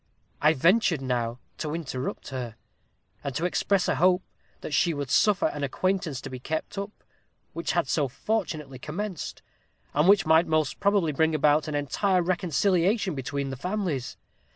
I ventured now to interrupt her, and to express a hope that she would suffer an acquaintance to be kept up, which had so fortunately commenced, and which might most probably bring about an entire reconciliation between the families.